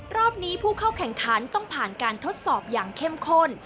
รอบนี้ผู้เข้าแข่งขันต้องผ่านการทดสอบอย่างเข้มข้น